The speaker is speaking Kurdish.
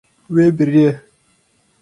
Wê biriye.